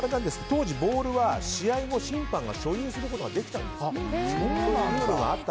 当時、ボールは試合後審判が所有することができたんです。